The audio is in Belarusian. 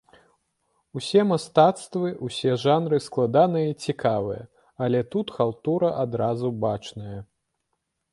Усе мастацтвы, усе жанры складаныя і цікавыя, але тут халтура адразу бачная.